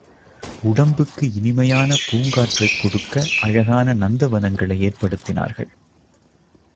உடம்புக்கு இனிமையான பூங்காற்றைக் கொடுக்க அழகான நந்தவனங்களை ஏற்படுத்தினார்கள்.